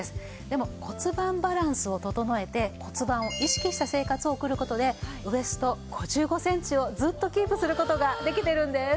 でも骨盤バランスを整えて骨盤を意識した生活を送る事でウエスト５５センチをずっとキープする事ができてるんです。